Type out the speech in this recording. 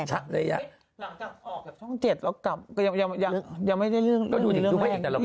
นังตามออกไปช่อง๗แล้วกลับก็ยังไม่ได้เรื่องแรง